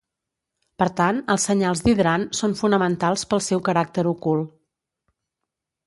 Per tant, els senyals d'hidrant són fonamentals pel seu caràcter ocult.